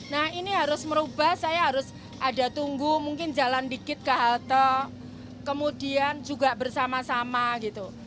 nah ini harus merubah saya harus ada tunggu mungkin jalan dikit ke halte kemudian juga bersama sama gitu